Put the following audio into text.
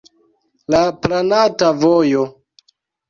La planata vojo.